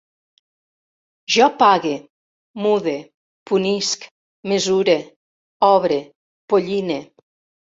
Jo pague, mude, punisc, mesure, obre, polline